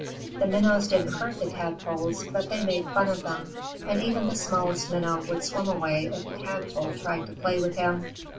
The Minnows didn't hurt the Tadpoles, but they made fun of them, and even the smallest Minnow would swim away if a Tadpole tried to play with him.